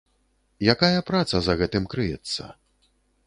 Якая праца за гэтым крыецца?